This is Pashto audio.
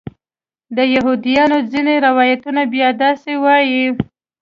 د یهودیانو ځینې روایتونه بیا داسې وایي.